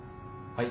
はい。